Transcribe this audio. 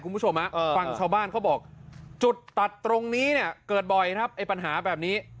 คุณผู้ชมฟังชาวบ้านเขาบอกจุดตัดตรงนี้เนี่ยเกิดบ่อยครับไอ้ปัญหาแบบนี้